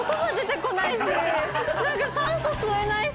なんか酸素吸えないし。